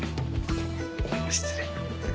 失礼。